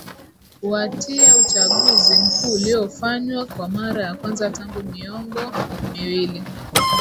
uatia uchaguzi mkuu uliofanywa kwa mara ya kwanza tangu miongo miwili